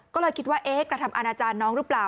ก็เลยคิดว่าเอ๊ะกระทำอาณาจารย์น้องหรือเปล่า